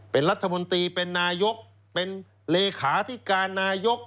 เป็นรัฐมนตรีเป็นนายกเป็นเลขาธิการนายก